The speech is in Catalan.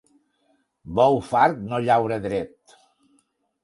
Bou fart no llaura dret.